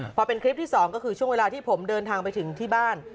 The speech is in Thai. พอเป็นคลิปที่สองก็คือช่วงเวลาที่ผมเดินทางไปถึงที่บ้าน